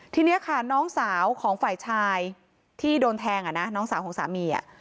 ทีนี้ค่ะน้องสาวของฝ่ายชายที่โดนแทงอ่ะนะน้องสาวของสามี